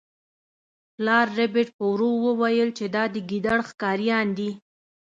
پلار ربیټ په ورو وویل چې دا د ګیدړ ښکاریان دي